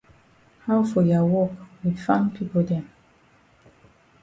How for ya wok wit farm pipo dem?